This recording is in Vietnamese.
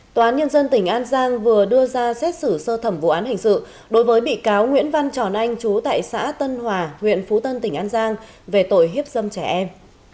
tòa án nhân dân tỉnh an giang vừa đưa ra xét xử sơ thẩm vụ án hình sự đối với bị cáo nguyễn văn tròn anh chú tại xã tân hòa huyện phú tân tỉnh an giang về tội hiếp dâm trẻ em